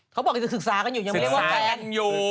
เขาบอกสึกษากันอยู่ยังไม่ได้ว่าแฟน